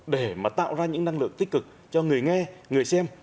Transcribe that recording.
để mà tạo ra những năng lực tích cực cho người nghe người xem